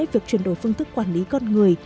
việc chuyển đổi phương thức quản lý con người